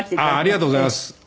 ありがとうございます。